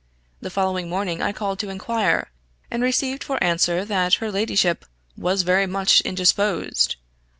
The following morning I called to inquire, and received for answer that "her ladyship was very much indisposed."